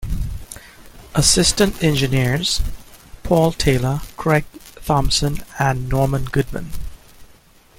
Assistant engineers: Paul Taylor, Craig Thompson and Norman Goodman.